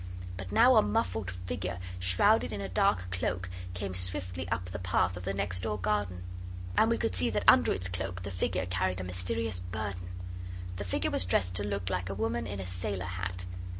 But now a muffled figure, shrouded in a dark cloak, came swiftly up the path of the next door garden. And we could see that under its cloak the figure carried a mysterious burden. The figure was dressed to look like a woman in a sailor hat.